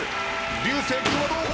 流星君はどうか？